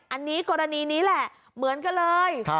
อันนี้กรณีนี้แหละเหมือนกันเลย